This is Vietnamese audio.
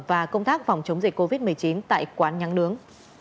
và công tác phòng chống dịch covid một mươi chín tại quán nháng nướng